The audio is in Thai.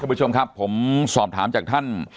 ผู้ชมครับผมสอบถามจากท่าน